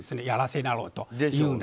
やらせだろうと。